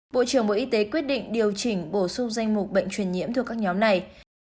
bộ trưởng bộ y tế quyết định điều chỉnh bổ sung danh mục bệnh truyền nhiễm thuộc các nhóm này